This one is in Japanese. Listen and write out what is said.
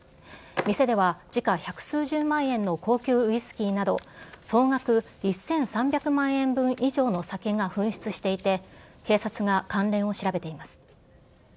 店では時価百数十万円の高級ウイスキーなど、総額１３００万円分以上の酒が紛失していて、警察が関連を調べています。